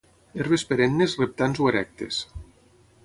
Herbes perennes reptants o erectes.